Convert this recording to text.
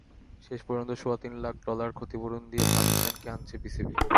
শেষ পর্যন্ত সোয়া তিন লাখ ডলার ক্ষতিপূরণ দিয়ে পাকিস্তানকে আনছে বিসিবি।